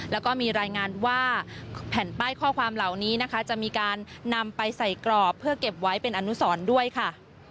แล้วก็มีรายงานว่าแผ่นป้ายข้อความเหล่านี้นะคะจะมีการนำไปใส่กรอบเพื่อเก็บไว้เป็นอนุสรด้วยค่ะ